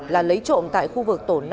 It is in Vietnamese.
là lấy trộm tại khu vực tổ năm